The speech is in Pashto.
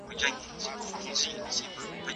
هغې وویل ښايي دا نسلونو سره مرسته وکړي.